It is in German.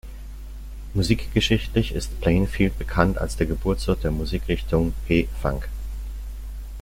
Musikgeschichtlich ist Plainfield bekannt als der Geburtsort der Musikrichtung P-Funk.